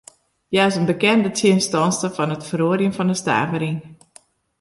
Hja is in bekende tsjinstanster fan it feroarjen fan de stavering.